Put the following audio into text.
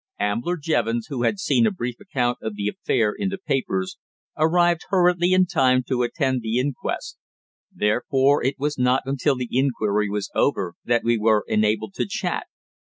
Ambler Jevons, who had seen a brief account of the affair in the papers, arrived hurriedly in time to attend the inquest; therefore it was not until the inquiry was over that we were enabled to chat.